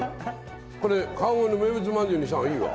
これ川越の名物まんじゅうにした方がいいわ。